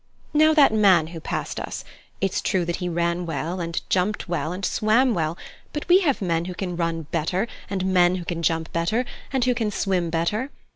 Now that man who passed us it's true that he ran well, and jumped well, and swam well; but we have men who can run better, and men who can jump better, and who can swim better.